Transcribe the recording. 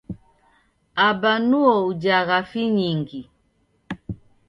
Aba nuo ujagha finyingi.